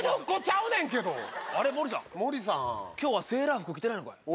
今日はセーラー服着てないのかい？